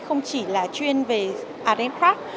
không chỉ là chuyên về art and craft